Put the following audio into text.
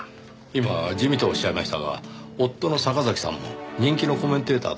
今地味とおっしゃいましたが夫の坂崎さんも人気のコメンテーターですねぇ。